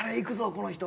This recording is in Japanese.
この人。